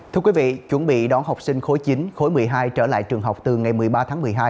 thưa quý vị chuẩn bị đón học sinh khối chín khối một mươi hai trở lại trường học từ ngày một mươi ba tháng một mươi hai